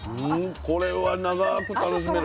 これは長く楽しめる。